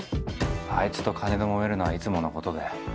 あいつと金でもめるのはいつものことだよ。